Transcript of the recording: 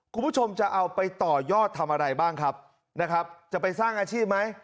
คุณผู้ชมจะเอาไปต่อยอดทำอะไรบ้างครับนะครับจะไปสร้างอาชีพไหม